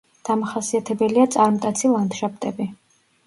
დამახასიათებელია წარმტაცი ლანდშაფტები.